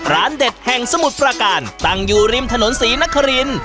เด็ดแห่งสมุทรประการตั้งอยู่ริมถนนศรีนคริน